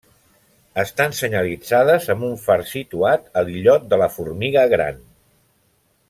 Estan senyalitzades amb un far situat a l'illot de la Formiga Gran.